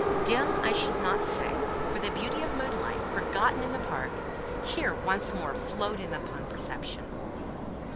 Dim I should not say, for the beauty of moonlight—forgotten in the park—here once more flowed in upon perception.